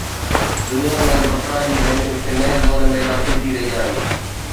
دنيا ۾ بقا جي جنگ هڪ نئين دور ۾ داخل ٿي رهي آهي.